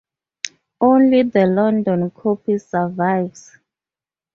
Only the London copy survives.